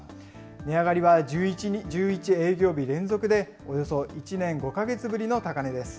値上がりは１１営業日連続でおよそ１年５か月ぶりの高値です。